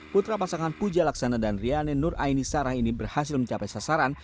putra pasangan puja laksana dan rianen nur ainisara ini berhasil mencapai sasaran